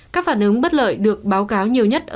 các phản ứng bất lợi được báo cáo nhiều nhất